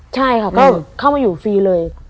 ใช่ค่ะก็เข้ามาอยู่ฟรีเลย